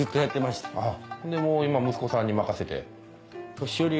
でもう今息子さんに任せて？